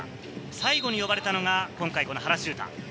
最後に呼ばれたのが今回、原修太。